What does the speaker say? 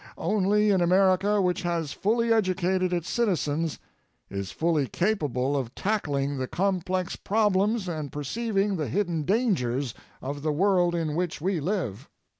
Only an America which has fully educated its citizens is fully capable of tackling the complex problems and perceiving the hidden dangers of the world in which we live.